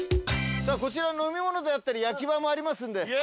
こちら飲み物であったり焼き場もありますんで。